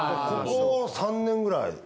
ここ３年ぐらい。